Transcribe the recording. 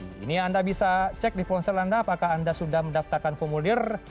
ini anda bisa cek di ponsel anda apakah anda sudah mendaftarkan formulir